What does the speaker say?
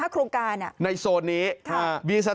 ๗๕โครงการในโซนนี้เวียงสถานรับเลี้ยงเด็ก